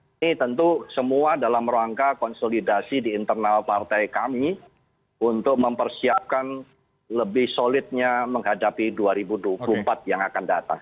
ini tentu semua dalam rangka konsolidasi di internal partai kami untuk mempersiapkan lebih solidnya menghadapi dua ribu dua puluh empat yang akan datang